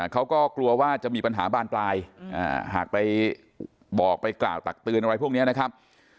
เขาก็กลัวว่าจะมีปัญหาบานปลายหากไปบอกไปกล่าวตักเตือนอะไรพวกนี้นะครับ